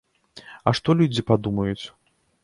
А што людзі падумаюць?!